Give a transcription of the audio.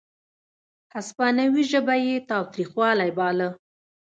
هسپانوي ژبه کې یې تاوتریخوالی باله.